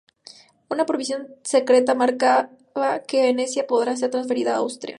Una provisión secreta, marcaba que Venecia podría ser transferida a Austria.